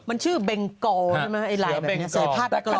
มันชื่อเบงกรใช่ไหมวันนี้และแบบนี้